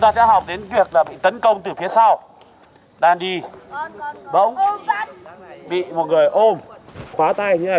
ta sẽ học đến việc là bị tấn công từ phía sau đang đi bỗng bị một người ôm khóa tay như thế này